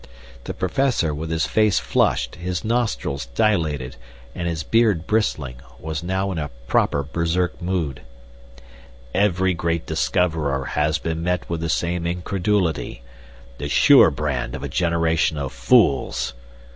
The Professor, with his face flushed, his nostrils dilated, and his beard bristling, was now in a proper Berserk mood.) "Every great discoverer has been met with the same incredulity the sure brand of a generation of fools.